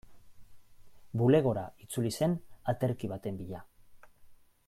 Bulegora itzuli zen aterki baten bila.